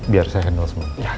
biar saya handle semua